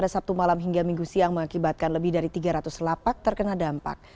sabtu malam hingga minggu siang mengakibatkan lebih dari tiga ratus lapak terkena dampak